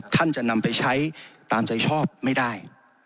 ท่านจะนำไปใช้ตามใจชอบไม่ได้